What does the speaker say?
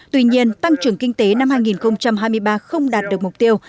tuy nhiên tăng trưởng kinh tế năm hai nghìn hai mươi ba không đạt được mục tiêu